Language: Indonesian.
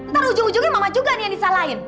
ntar ujung ujungnya mama juga nih yang disalahin